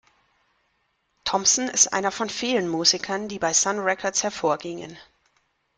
Thompson ist einer von vielen Musikern, die bei Sun Records hervorgingen.